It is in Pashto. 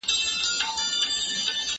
د خاوند خدمت کول د ميرمني لپاره څه اهميت لري؟